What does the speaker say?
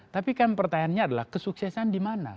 tapi kan pertanyaannya adalah kesuksesan di mana